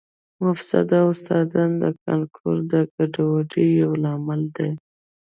مفسد استادان د کانکور د ګډوډۍ یو لامل دي